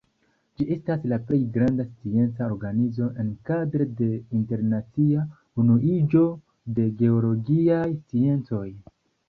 Ĝi estas la plej granda scienca organizo enkadre de Internacia Unuiĝo de Geologiaj Sciencoj.